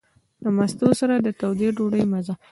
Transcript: د مستو سره د تودې ډوډۍ مزه.